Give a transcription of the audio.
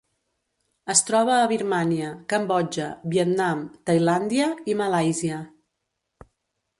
Es troba a Birmània, Cambodja, Vietnam, Tailàndia i Malàisia.